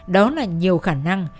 đó là nhiều khả năng